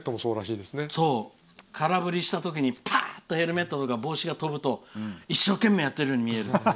空振りしたときにヘルメットとか帽子が飛ぶと一生懸命やっているように見える。